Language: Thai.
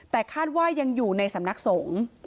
แต่คาดว่ายังอยู่ในสำนักสงฆ์